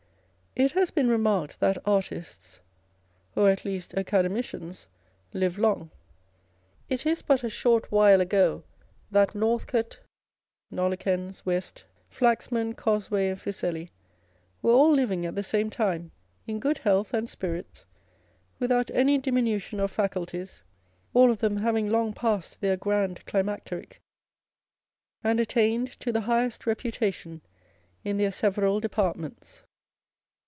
It has been remarked that artists, or at least Acade micians, live long. It is but a short while ago that Northcote, Nollekens, West, Flaxman, Cosway, and Fuseli were all living at the same time, in good health and spirits, without any diminution of faculties, all of them having long passed their grand climacteric, and attained to the highest reputation in their several departments.